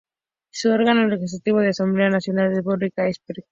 Su órgano legislativo es la Asamblea Nacional de la República Srpska.